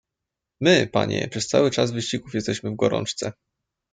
"My, panie, przez cały czas wyścigów jesteśmy w gorączce."